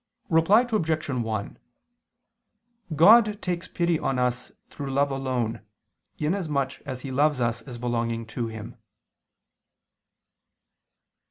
Reply Obj. 1: God takes pity on us through love alone, in as much as He loves us as belonging to Him.